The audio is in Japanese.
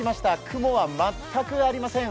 雲は全くありません。